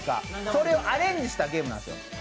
それをアレンジしたゲームなんですよ。